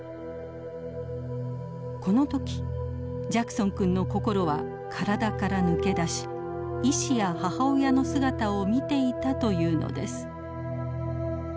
この時ジャクソン君の心は体から抜け出し医師や母親の姿を見ていたというのです。